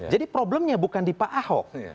jadi problemnya bukan di pak ahok